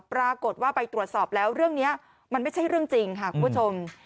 ปรากฏว่าไปตรวจสอบแล้วเรื่องนี้มันไม่ใช่เรื่องจริงค่ะคุณผู้ชม